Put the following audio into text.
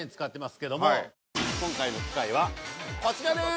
今回の機械はこちらです。